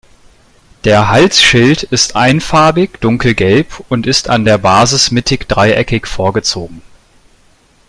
Der Halsschild ist einfarbig dunkelgelb und ist an der Basis mittig dreieckig vorgezogen.